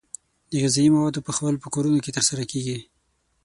د غذايي موادو پخول په کورونو کې ترسره کیږي.